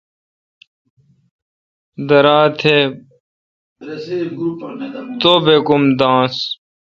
درا تہ توبک ام داںنس